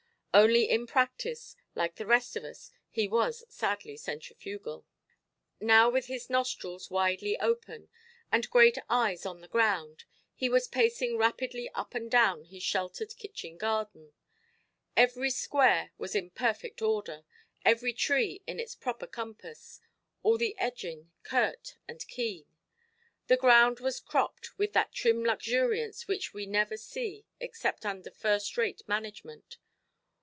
Only in practice, like the rest of us, he was sadly centrifugal. Now with his nostrils widely open, and great eyes on the ground, he was pacing rapidly up and down his sheltered kitchen garden. Every square was in perfect order, every tree in its proper compass, all the edging curt and keen. The ground was cropped with that trim luxuriance which we never see except under first–rate management.